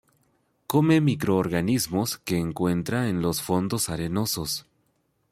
Come microorganismos que encuentra en los fondos arenosos.